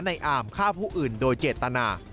อามฆ่าผู้อื่นโดยเจตนา